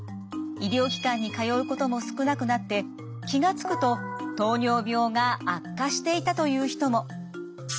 医療機関に通うことも少なくなって気が付くと糖尿病が悪化していたという人も。